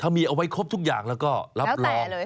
มีเอาไว้ครบทุกอย่างแล้วก็รับรอง